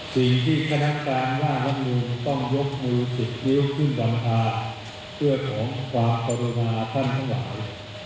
สิ่งที่คณะกลางล่างรัฐนวงต้องยกมือ๑๐ลิ้วขึ้นบรรทาเพื่อของความประโดนาท่านหลาย